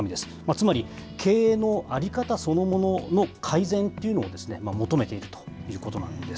つまり、経営の在り方そのものの改善というのを求めているということなんです。